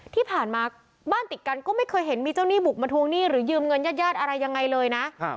ที่ผ่านมาบ้านติดกันก็ไม่เคยเห็นมีเจ้าหนี้บุกมาทวงหนี้หรือยืมเงินญาติญาติอะไรยังไงเลยนะ